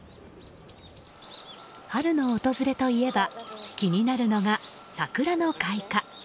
春の訪れといえば気になるのが桜の開花。